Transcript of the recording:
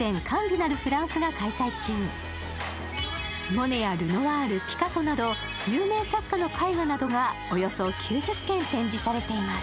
モネやルノアール、ピカソなど有名作家の絵画などがおよそ９０点展示されています。